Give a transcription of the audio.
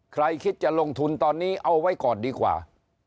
ใครคิดจะลงทุนตอนนี้เอาไว้ก่อนดีกว่า